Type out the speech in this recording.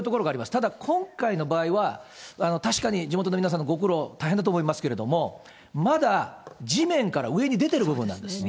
ただ今回の場合は、確かに地元の皆さんのご苦労、大変だと思いますけども、まだ地面から上に出てる部分なんです。